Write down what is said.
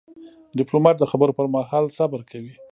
ډيپلومات د خبرو پر مهال صبر کوي.